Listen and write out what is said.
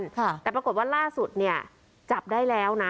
แต่ปรากฏว่าล่าสุดเนี่ยจับได้แล้วนะ